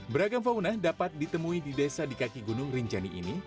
beragam fauna dapat ditemui di desa di kaki gunung rinjani ini